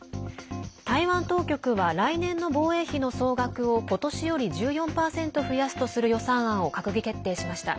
台湾当局は来年の防衛費の総額を今年より１４％増やすとする予算案を閣議決定しました。